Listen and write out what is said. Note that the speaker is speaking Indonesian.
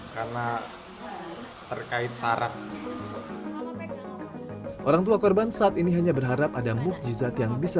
karena terkait saraf orang tua korban saat ini hanya berharap ada mukjizat yang bisa